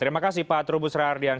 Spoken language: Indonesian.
terima kasih pak turbus raardian